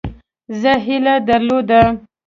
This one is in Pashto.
زه هیله درلوده.